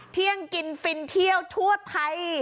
เที่ยงกินฟินเที่ยวทั่วไทย